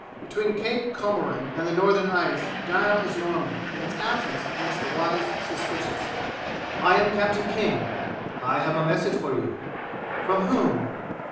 Between Cape Comorin and the Northern Ice guile is normal, and its absence makes the wise suspicious. "I am Captain King." "I have a message for you." "From whom?"